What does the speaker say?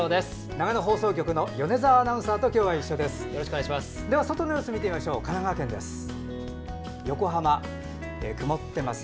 長野放送局の米澤アナウンサーと今日は一緒です。